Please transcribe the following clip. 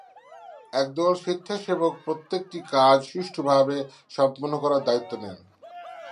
একদল স্বেচ্ছাসেবক প্রত্যেকটি কাজ সুষ্ঠুভাবে সম্পন্ন করার দায়িত্ব নেন।